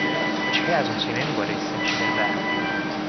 But she hasn't seen anybody since she got back.